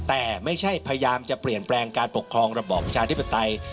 แต่ไม่ใช่พยายามจะเปลี่ยนแปลงการปกครองระบอบประชาธิปไตย